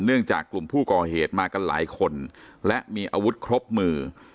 จากกลุ่มผู้ก่อเหตุมากันหลายคนและมีอาวุธครบมือ